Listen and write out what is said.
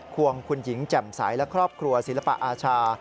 วงคุณหญิงแจ่มใสและครอบครัวศิลปะอาชา